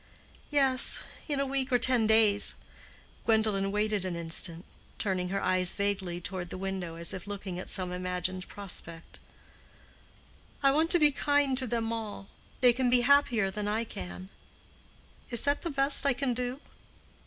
"Yes, in a week or ten days." Gwendolen waited an instant, turning her eyes vaguely toward the window, as if looking at some imagined prospect. "I want to be kind to them all—they can be happier than I can. Is that the best I can do?"